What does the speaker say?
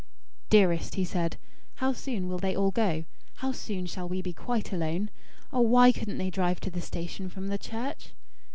"Dearest," he said, "how soon will they all go? How soon shall we be quite alone? Oh, why couldn't they drive to the station from the church?"